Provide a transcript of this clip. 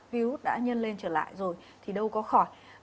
viếu út đã nhân lên trở lại rồi thì đâu có khỏi